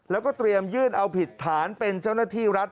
แล้วก็เตรียมยื่นเอาผิดฐานเป็นเจ้าหน้าที่รัฐ